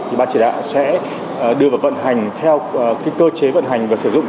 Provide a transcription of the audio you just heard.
thì ban chỉ đạo sẽ đưa vào vận hành theo cơ chế vận hành và sử dụng